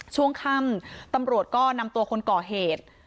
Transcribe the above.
ช่วงค่ำตำรวจก็นำตัวคนก่อเหตุ